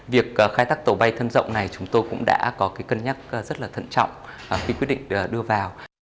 việc khai thác tàu bay thân rộng này chúng tôi cũng đã có cân nhắc rất là thận trọng khi quyết định đưa vào